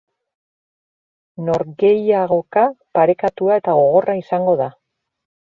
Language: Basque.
Norgehiagoka parekatua eta gogorra izango da.